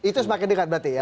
itu semakin dekat berarti ya